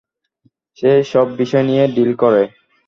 সে সব বিষয় নিয়েই ডিল করে।